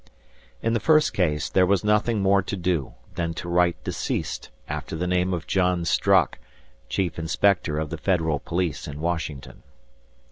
In the first case, there was nothing more to do than to write "deceased" after the name of John Strock, chief inspector of the federal police in Washington.